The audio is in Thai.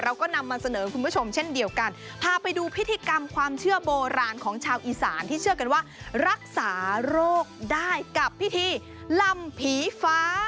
เราก็นำมาเสนอคุณผู้ชมเช่นเดียวกันพาไปดูพิธีกรรมความเชื่อโบราณของชาวอีสานที่เชื่อกันว่ารักษาโรคได้กับพิธีลำผีฟ้า